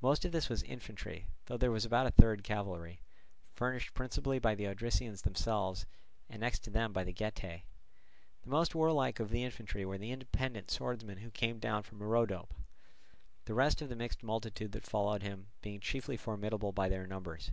Most of this was infantry, though there was about a third cavalry, furnished principally by the Odrysians themselves and next to them by the Getae. The most warlike of the infantry were the independent swordsmen who came down from Rhodope; the rest of the mixed multitude that followed him being chiefly formidable by their numbers.